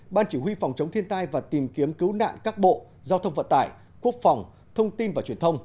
ban chỉ huy phòng chống thiên tai và tìm kiếm cứu nạn các bộ giao thông vận tải quốc phòng thông tin và truyền thông